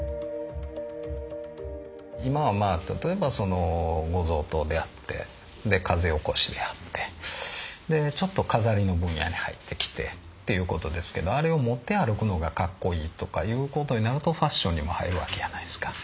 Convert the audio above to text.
今は例えばご贈答であって風起こしであってでちょっと飾りの分野に入ってきてっていう事ですけどあれを持って歩くのがかっこいいとかいう事になるとファッションにも入る訳やないですか。